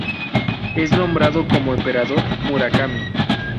Es nombrado como Emperador Murakami.